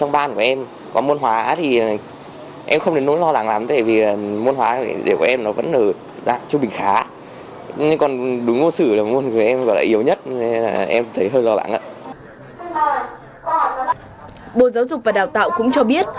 bộ giáo dục và đào tạo cũng cho biết